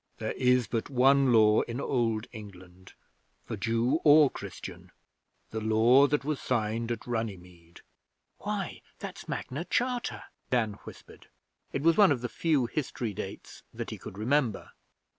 'There is but one Law in Old England for Jew or Christian the Law that was signed at Runnymede.' 'Why, that's Magna Charta!' Dan whispered. It was one of the few history dates that he could remember.